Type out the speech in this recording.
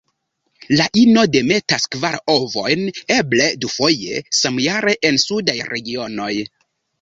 La ino demetas kvar ovojn; eble dufoje samjare en sudaj regionoj.